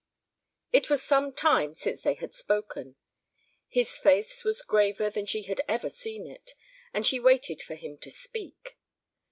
It was some time since they had spoken. His face was graver than she had ever seen it, and she waited for him to speak.